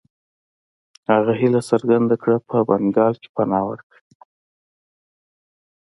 هغه هیله څرګنده کړه په بنګال کې پناه ورکړي.